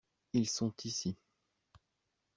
Ils sont ici.